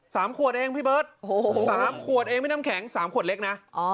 สามขวดเองพี่เบิร์ตโอ้โหสามขวดเองพี่น้ำแข็งสามขวดเล็กนะอ๋อ